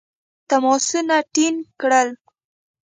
تماسونه ټینګ کړل.